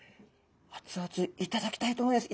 アツアツ頂きたいと思います。